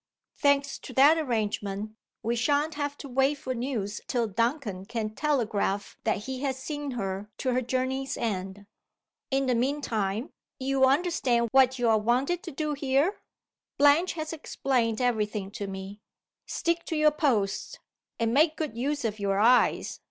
Thanks to that arrangement, we sha'n't have to wait for news till Duncan can telegraph that he has seen her to her journey's end. In the mean time, you understand what you are wanted to do here?" "Blanche has explained every thing to me." "Stick to your post, and make good use of your eyes.